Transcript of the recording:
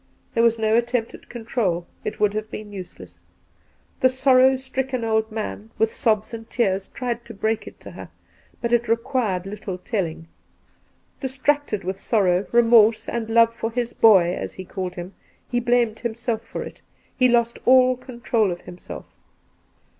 There was no attempt at control — it would have been useless. The sorrow stricken old man, with sobs and tears, tried to break it to her, but it required little telling. Distracted with sorrow, remorse, and love for ' his boy,' as he called him, he blamed himself for it. He lost all control of him self.